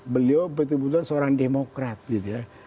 beliau betul betul seorang demokrat gitu ya